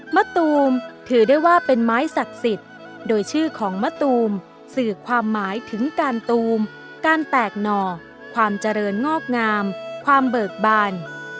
มะตูมถือได้ว่าเป็นไม้ศักดิ์สิทธิ์โดยชื่อของมะตูมสื่อความหมายถึงการตูมการแตกหน่อความเจริญงอกงามความเบิกบาน